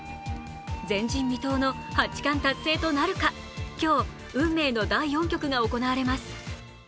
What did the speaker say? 前人未到の八冠達成となるか、今日、運命の第４局が行われます。